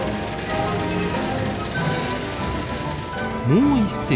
もう一隻。